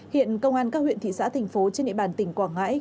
hiện công an các huyện thị xã thành phố trên địa bàn tỉnh quảng ngãi